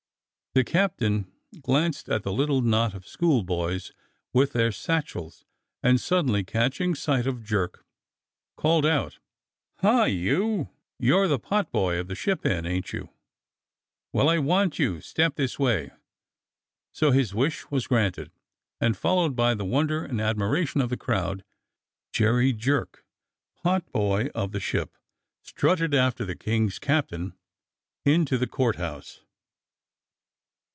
The captain glanced at the little knot of schoolboys with their satchels, and THE COURT HOUSE INQUIRY 81 suddenly catching sight of Jerk, called out: "Hie you! you're the potboy of the Ship Inn, ain't you? Well, I want you. Step this way !" So his wish was granted, and followed by the wonder and admiration of the crowd, Jerry Jerk, potboy of the Ship, strutted after the King's captain into the Court House.